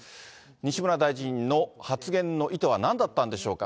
西村大臣の発言の意図はなんだったんでしょうか。